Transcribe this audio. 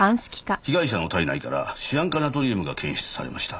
被害者の体内からシアン化ナトリウムが検出されました。